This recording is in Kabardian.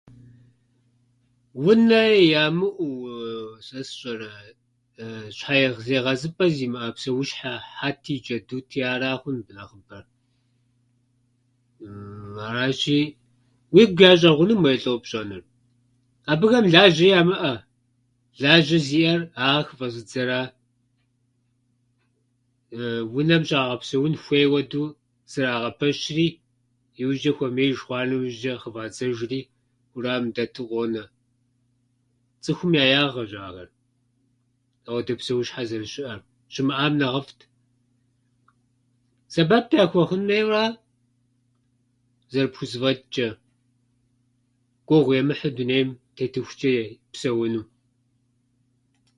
Унэ ямыӏэу, сэ сщӏэрэ, щхьэ егъэзыпӏэ зимыӏэ псэущхьэ - хьэти джэдути ара хъун абы нэхъыбэр Аращи, уигу ящӏэгъунум уэи лӏо пщӏэнур? Абыхэм лажьэ ямыӏэ. Лажьэ зиӏэр ахьэр хыфӏэзыдзэра. Унэм щагъэпсэун хуей хуэдэу, зэрагъэпэщри, иужьчӏэ хуэмеиж хъуа нэужьчӏэ хыфӏадзэжри уэрамым дэту къонэ. Цӏыхум я ягъэщ ахэр ахуэдэ псэущхьэ зэрыщыӏэр, щымыӏам нэхъыфӏт. Сэбэп яхуэхъун хуейуэра зэрыпхузэфӏэчӏчӏэ, гугъу емыхьу дунейм тетыхукӏэ псэуну.